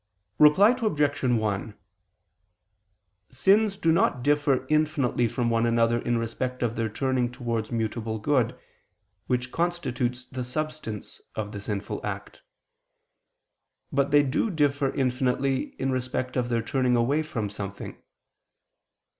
Reply Obj. 1: Sins do not differ infinitely from one another in respect of their turning towards mutable good, which constitutes the substance of the sinful act; but they do differ infinitely in respect of their turning away from something.